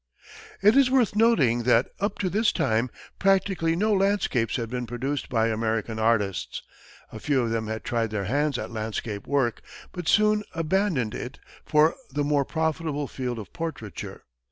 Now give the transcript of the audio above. It is worth noting that, up to this time, practically no landscapes had been produced by American artists. A few of them had tried their hands at landscape work, but soon abandoned it for the more profitable field of portraiture.